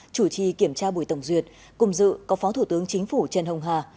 chủ trì kiểm tra buổi tổng duyệt cùng dự có phó thủ tướng chính phủ trần hồng hà